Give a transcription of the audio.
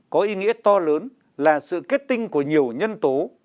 có ý nghĩa to lớn là sự kết tinh của nhiều nhân tố